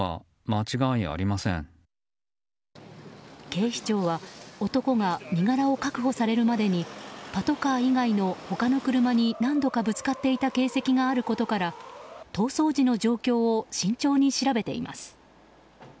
警視庁は男が身柄を確保されるまでにパトカー以外の他の車に何度かぶつかっていた形跡があることから逃走時の状況を慎重に調べています。